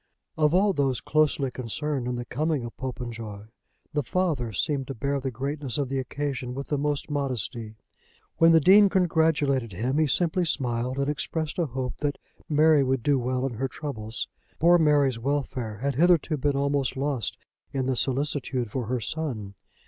Of all those closely concerned in the coming of Popenjoy the father seemed to bear the greatness of the occasion with the most modesty. When the Dean congratulated him he simply smiled and expressed a hope that Mary would do well in her troubles. Poor Mary's welfare had hitherto been almost lost in the solicitude for her son.